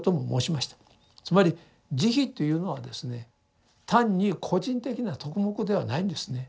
つまり慈悲というのはですね単に個人的な徳目ではないんですね。